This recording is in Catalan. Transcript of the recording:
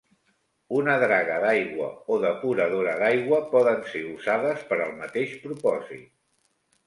Una draga d'aigua o depuradora d'aigua poden ser usades per al mateix propòsit.